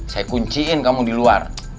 saya kunciin kamu di luar